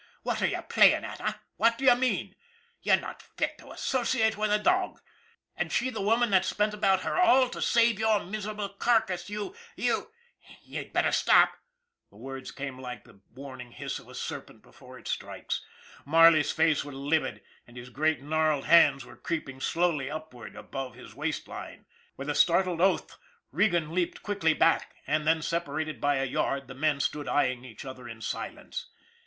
What are you playing at, eh ? What do you mean ? You're not fit to associate with a dog! And she the woman that spent about her all to save your miserable carcass, you _ y ou "" You'd better stop !" the words came like the warning hiss of a serpent before it strikes. Marley's face was livid, and his great gnarled hands were creep ing slowly upward above his waist line. With a startled oath, Regan leaped quickly back : and then, separated by a yard, the men stood eying each other in silence.